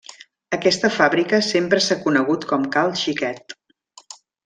Aquesta fàbrica sempre s'ha conegut com cal Xiquet.